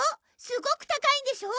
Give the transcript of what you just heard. すごく高いんでしょ？